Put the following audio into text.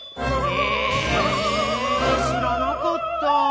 へえ知らなかった。